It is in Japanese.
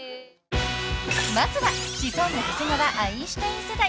［まずはシソンヌ長谷川アインシュタイン世代］